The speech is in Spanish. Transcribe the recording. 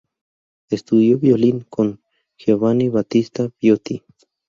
Estudió violín con Giovanni Battista Viotti.